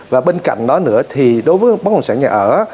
và bên cạnh đó nữa thì đối với bất động sản nhà ở